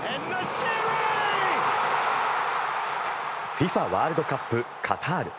ＦＩＦＡワールドカップカタール。